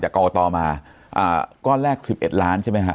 จากก็เอาต่อมาอ่าก้อนแรกสิบเอ็ดล้านใช่ไหมค่ะ